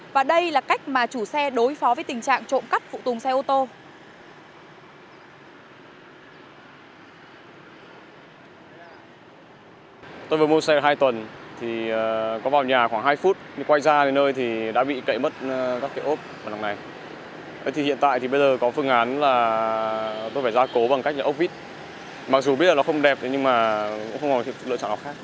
và đây là cách mà chủ xe đối phó với tình trạng trộm cắp phụ tùng xe ô tô